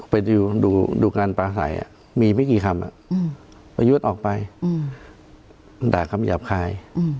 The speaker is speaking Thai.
ไปดูการปลาใสมีไม่กี่คำประยุทธ์ออกไปด่าคำหยาบคาย